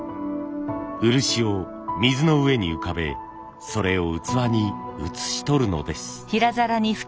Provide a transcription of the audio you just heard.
漆を水の上に浮かべそれを器に写し取るのです。